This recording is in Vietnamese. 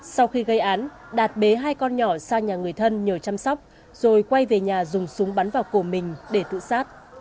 sau khi gây án đạt bế hai con nhỏ sang nhà người thân nhờ chăm sóc rồi quay về nhà dùng súng bắn vào cổ mình để tự sát